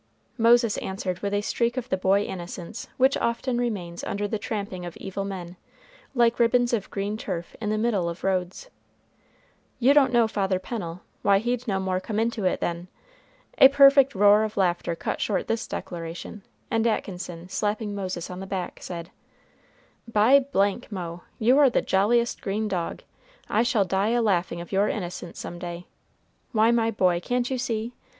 Moses answered with a streak of the boy innocence which often remains under the tramping of evil men, like ribbons of green turf in the middle of roads: "You don't know Father Pennel, why, he'd no more come into it than" A perfect roar of laughter cut short this declaration, and Atkinson, slapping Moses on the back, said, "By , Mo! you are the jolliest green dog! I shall die a laughing of your innocence some day. Why, my boy, can't you see?